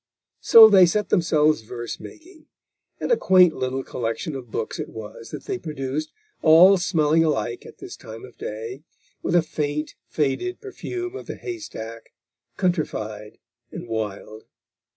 So they set themselves verse making, and a quaint little collection of books it was that they produced, all smelling alike at this time of day, with a faint, faded perfume of the hay stack, countrified and wild.